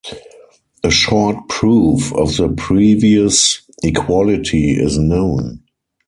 A short proof of the previous equality is known.